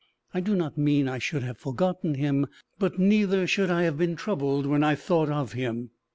I do not mean I should have forgotten him, but neither should I have been troubled when I thought of him.